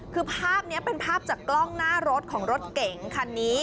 คือภาพนี้เป็นภาพจากกล้องหน้ารถของรถเก๋งคันนี้